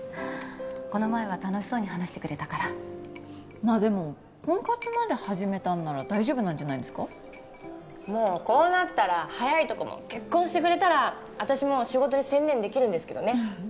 この前は楽しそうに話してくれたからまあでも婚活まで始めたんなら大丈夫なんじゃないですかもうこうなったら早いとこもう結婚してくれたら私も仕事に専念できるんですけどね